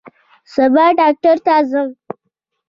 سبا ډاکټر ته ځم